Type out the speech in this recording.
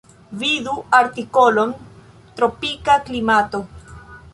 Vidu artikolon tropika klimato.